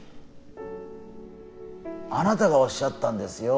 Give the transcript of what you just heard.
あなたがおっしゃったんですよ